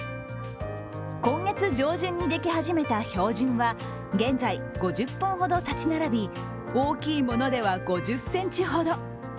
今月上旬にできはじめた氷筍は現在５０本ほど立ち並び、大きいものでは５０ｃｍほど。